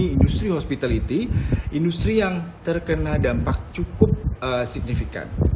di industri hospitality industri yang terkena dampak cukup signifikan